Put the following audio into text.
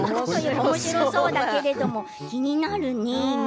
おもしろそうだけど気になるね。